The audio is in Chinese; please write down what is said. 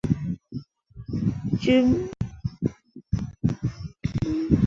库珀亦担任过国际艾滋病学会主席。